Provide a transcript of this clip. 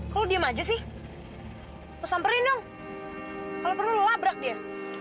kalau diem aja sih pesan perlindung kalau perlu labrak dia